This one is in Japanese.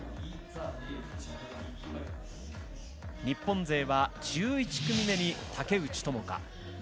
日本勢は１１組目に竹内智香